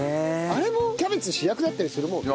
あれもキャベツ主役だったりするもんね。